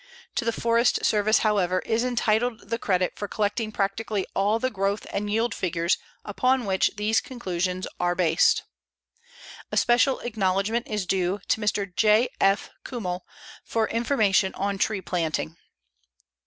To the Forest Service, however, is entitled the credit for collecting practically all the growth and yield figures upon which these conclusions are based. Especial acknowledgement is due to Mr. J. F. Kümmel for information on tree planting.